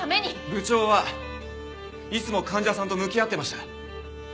部長はいつも患者さんと向き合ってました。